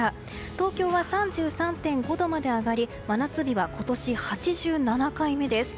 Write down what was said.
東京は３３．５度まで上がり真夏日は今年８７回目です。